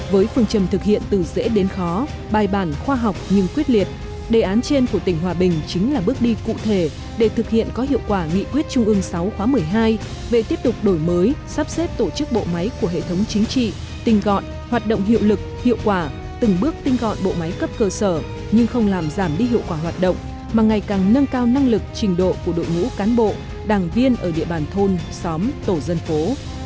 với phương trầm thực hiện từ dễ đến khó bài bản khoa học nhưng quyết liệt đề án trên của tỉnh hòa bình chính là bước đi cụ thể để thực hiện có hiệu quả nghị quyết trung ương sáu khóa một mươi hai về tiếp tục đổi mới sắp xếp tổ chức bộ máy của hệ thống chính trị tinh gọn hoạt động hiệu lực hiệu quả từng bước tinh gọn bộ máy cấp cơ sở nhưng không làm giảm đi hiệu quả hoạt động mà ngày càng nâng cao năng lực trình độ của đội ngũ cán bộ đảng viên ở địa bàn thôn xóm tổ dân phố